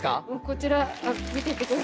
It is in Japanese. こちら見ていってください。